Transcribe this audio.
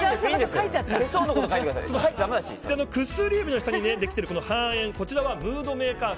薬指の下にできているこの半円はムードメーカー線。